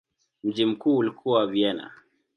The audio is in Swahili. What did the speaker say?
Mji mkuu ulikuwa Vienna.